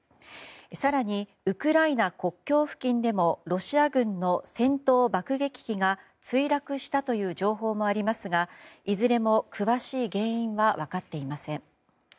更に、ウクライナ国境付近でもロシア軍の戦闘爆撃機が墜落したという情報もありますがいずれも詳しい原因は分かっていません。